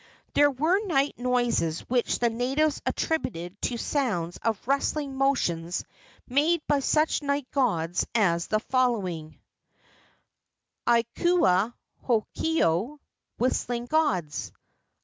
There were night noises which the natives attributed to sounds or rustling motions made by such night gods as the following: Akua hokio (whistling gods).